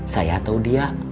saya tuh udah capek